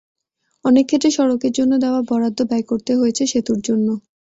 অনেক ক্ষেত্রে সড়কের জন্য দেওয়া বরাদ্দ ব্যয় করতে হয়েছে সেতুর জন্য।